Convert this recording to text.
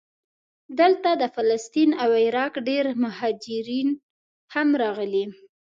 دلته د فلسطین او عراق ډېر مهاجرین هم راغلي.